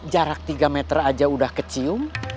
jarak tiga meter aja udah kecium